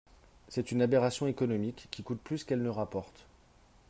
C’est une aberration économique, qui coûte plus qu’elle ne rapporte.